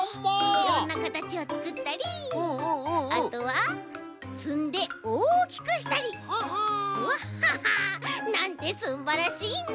いろんなかたちをつくったりあとはつんでおおきくしたりワッハハなんてすんばらしいんだ！